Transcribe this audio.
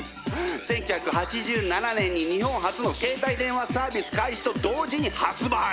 １９８７年に日本初の携帯電話サービス開始と同時に発売。